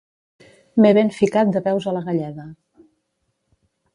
M'he ben ficat de peus a la galleda